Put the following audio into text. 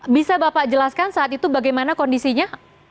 bisa bapak jelaskan saat itu bagaimana kondisinya